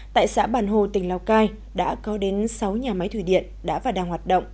tại xã bản hồ tỉnh lào cai đã có đến sáu nhà máy thủy điện đã và đang hoạt động